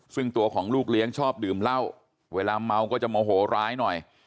ซึ่งตัวของลูกเลี้ยงชอบดื่มเหล้าเวลาเมาก็จะโมโหร้ายหน่อย